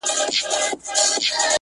دا چي مي تر سترګو میکده میکده کيږې